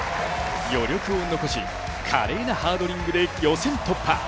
余力を残し、華麗なハードリングで予選突破。